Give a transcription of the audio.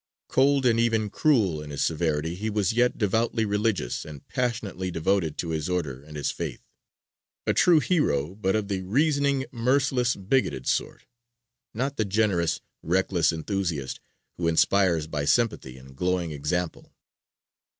Cold and even cruel in his severity, he was yet devoutly religious, and passionately devoted to his Order and his Faith. A true hero, but of the reasoning, merciless, bigoted sort: not the generous, reckless enthusiast who inspires by sympathy and glowing example.